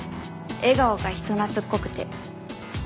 笑顔が人懐っこくて。